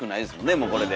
もうこれで。